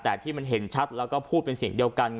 แต่ที่มันเห็นชัดแล้วก็พูดเป็นเสียงเดียวกัน